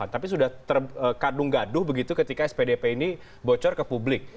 karena spdp ini sudah terkadung gaduh begitu ketika spdp ini bocor ke publik